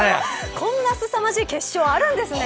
こんなすさまじい決勝あるんですね。